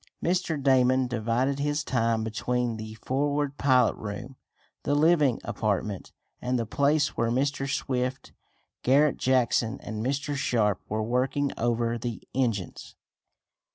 Mr. Damon divided his time between the forward pilot room, the living apartment, and the place where Mr. Swift, Garret Jackson and Mr. Sharp were working over the engines.